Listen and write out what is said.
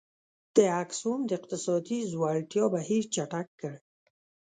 د اکسوم د اقتصادي ځوړتیا بهیر چټک کړ.